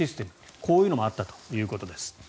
こういうのもあったということです。